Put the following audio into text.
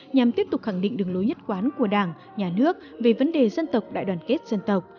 nhằm tiếp tục khẳng định đường lối nhất quán của đảng nhà nước về vấn đề dân tộc đại đoàn kết dân tộc